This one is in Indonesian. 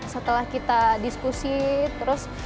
setelah kita diskusi terus